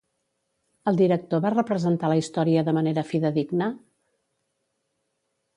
El director va representar la història de manera fidedigna?